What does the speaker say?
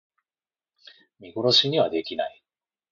見殺しにはできない